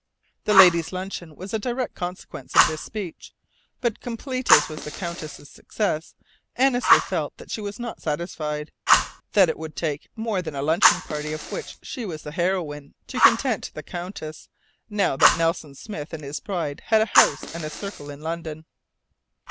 The ladies' luncheon was a direct consequence of this speech; but complete as was the Countess's success, Annesley felt that she was not satisfied: that it would take more than a luncheon party of which she was the heroine to content the Countess, now that Nelson Smith and his bride had a house and a circle in London.